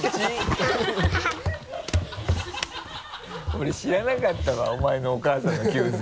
俺知らなかったわお前のお母さんの旧姓。